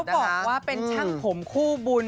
เขาบอกว่าเป็นชั่นผมคู่บุญ